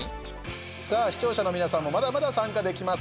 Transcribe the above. さあ視聴者の皆さんもまだまだ参加できます。